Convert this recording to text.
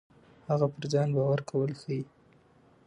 هغه پر ځان باور کول ښيي.